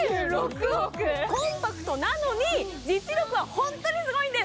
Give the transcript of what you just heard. コンパクトなのに実力はホントにすごいんです。